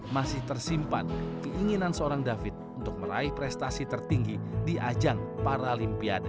masih tersimpan keinginan seorang david untuk meraih prestasi tertinggi di ajang paralimpiade